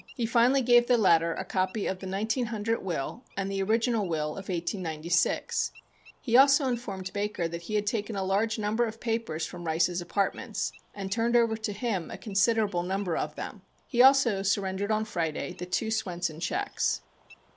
He finally gave the latter a copy of the 1900 will and the original will of 1896. He also informed Baker that he had taken a large number of papers from Rice's apartments, and turned over to him a considerable number of them. He also surrendered on Friday the two Swenson checks.